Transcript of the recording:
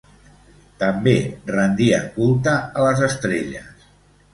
També rendien culte a les estrelles.